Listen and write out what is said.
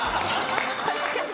確かに。